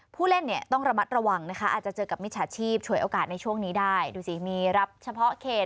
ผู้เล่นต้องระมัดระวังนะคะอาจจะเจอกับมิจฉาชีพ